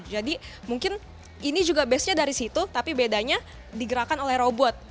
jadi mungkin ini juga basenya dari situ tapi bedanya digerakkan oleh robot